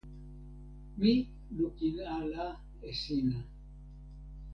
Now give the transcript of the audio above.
mi lukin ala e sina.